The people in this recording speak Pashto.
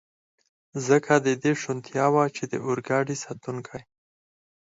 ځکه د دې شونتیا وه، چې د اورګاډي ساتونکي.